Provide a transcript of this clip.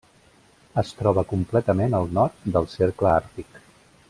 Es troba completament al nord del cercle Àrtic.